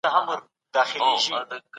سياسي قواعد بايد په علمي توګه کشف سي.